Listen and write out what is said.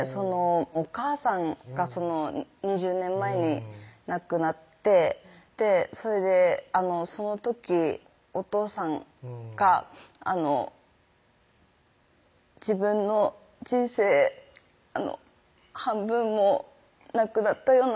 お母さんが２０年前に亡くなってそれでその時お父さんがあの「自分の人生半分もなくなったようなもんだ」